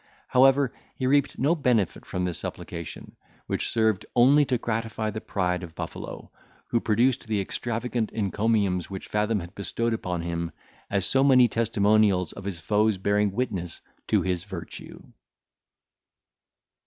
However, he reaped no benefit from this supplication, which served only to gratify the pride of Buffalo, who produced the extravagant encomiums which Fathom had bestowed upon him, as so many testimonials of his foe's bearing witness to his virtue.